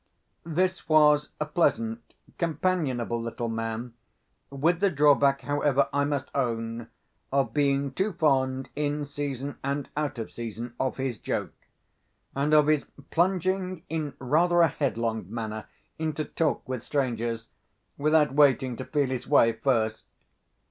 This was a pleasant, companionable little man, with the drawback, however, I must own, of being too fond, in season and out of season, of his joke, and of his plunging in rather a headlong manner into talk with strangers, without waiting to feel his way first.